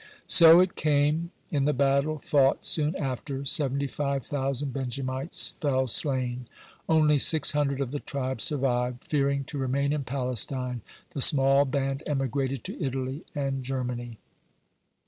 So it came. In the battle fought soon after, seventy five thousand Benjamites fell slain. Only six hundred of the tribe survived. (134) Fearing to remain in Palestine, the small band emigrated to Italy and Germany.